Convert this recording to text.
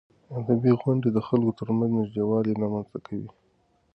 ادبي غونډې د خلکو ترمنځ نږدېوالی رامنځته کوي.